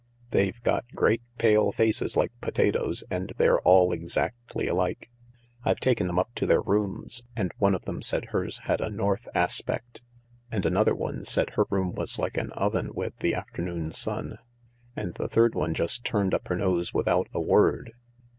They've got great, pale faces like potatoes, and they're all exactly alike. I've taken them up to their rooms, and one of them said hers had a north aspect ; and another one said her room was like an oven with the afternoon sun — and the third one just turned up her nose without a word.